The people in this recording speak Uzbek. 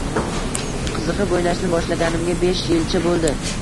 Qiziqib oʻynashni boshlaganimga besh yilcha boʻldi